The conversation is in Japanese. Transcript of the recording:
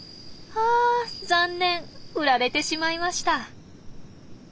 ふられてしまいました。